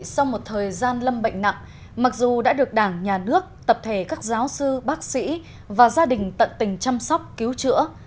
sau một thời gian lâm bệnh nặng mặc dù đã được đảng nhà nước tập thể các giáo sư bác sĩ và gia đình tận tình chăm sóc cứu chữa